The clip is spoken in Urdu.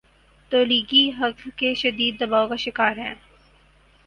تولیگی حلقے شدید دباؤ کا شکارہیں۔